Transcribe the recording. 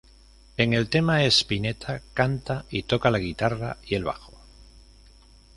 En el tema Spinetta canta y toca la guitarra y el bajo.